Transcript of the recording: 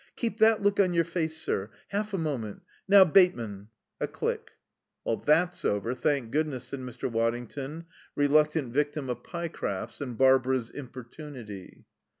"Keep that look on your face, sir, half a moment.... Now, Bateman." A click. "That's over, thank goodness," said Mr. Waddington, reluctant victim of Pyecraft's and Barbara's importunity.